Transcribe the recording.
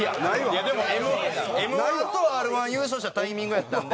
でもＭ−１とＲ−１優勝したタイミングやったんで。